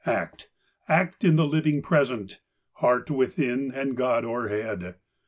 Act, — act in the living Present ! Heart within, and God o'erhead !